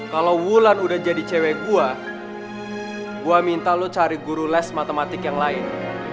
kalau wulan udah jadi cewek gue gue minta lo cari guru les matematik yang lain